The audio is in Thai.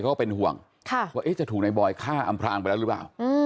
ก็เป็นห่วงว่าจะถูกในบอยฆ่าอำพลางไปแล้วหรือเปล่า